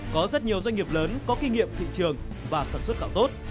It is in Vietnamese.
có rất nhiều doanh nghiệp lớn có kinh nghiệm thị trường và sản xuất gạo tốt